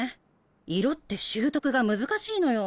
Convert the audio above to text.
色って習得が難しいのよ。